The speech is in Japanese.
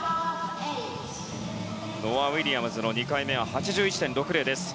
ノア・ウィリアムズの２回目は８１．６０です。